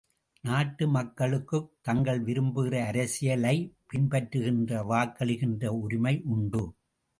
நாட்டு மக்களுக்குத் தாங்கள் விரும்புகிற அரசியலைப் பின்பற்றுகின்ற வாக்களிக்கின்ற உரிமை உண்டு.